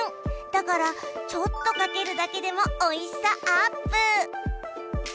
だから、ちょっとかけるだけでもおいしさアップ！